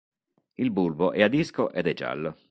Il bulbo è a disco ed è giallo.